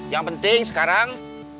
yang penting sekarang